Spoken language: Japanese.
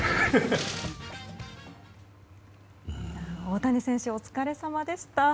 大谷選手お疲れさまでした。